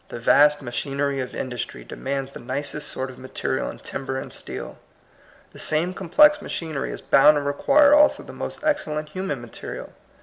The vast machinery of industry de mands the nicest sort of material in timber and steel. The same complex machinery is bound to require also the most excellent human material.